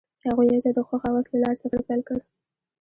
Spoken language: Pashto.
هغوی یوځای د خوښ اواز له لارې سفر پیل کړ.